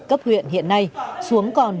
cấp huyện hiện nay xuống còn